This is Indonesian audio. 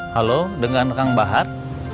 halo dengan kang bahar